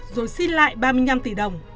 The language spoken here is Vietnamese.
rồi xin lại ba mươi năm tỷ đồng